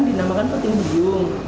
dinamakan puting beliung